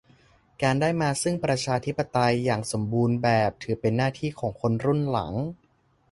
การได้มาซึ่งประชาธิปไตยอย่างสมบูรณ์แบบถือเป็นหน้าที่ของคนรุ่นหลัง